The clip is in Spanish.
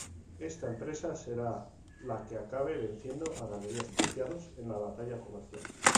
Esta empresa será la que acabe venciendo a Galerías Preciados en la batalla comercial.